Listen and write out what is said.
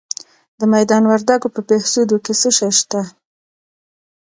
د میدان وردګو په بهسودو کې څه شی شته؟